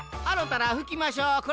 あろたらふきましょう。